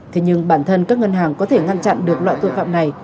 thế nhưng bản thân các ngân hàng có thể ngăn chặn được loại tội phạm này